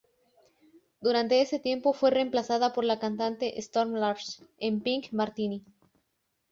Durante ese tiempo fue reemplazada por la cantante Storm Large en Pink Martini.